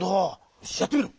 よしやってみろ！